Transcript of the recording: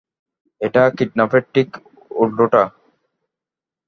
এটা কিডন্যাপের ঠিক উল্টোটা।